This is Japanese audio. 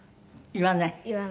言わない。